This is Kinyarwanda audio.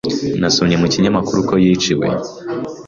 Nasomye mu kinyamakuru ko yiciwe.